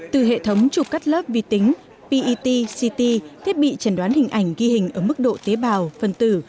từ hệ thống chụp cắt lớp vi tính pet ct thiết bị trần đoán hình ảnh ghi hình ở mức độ tế bào phân tử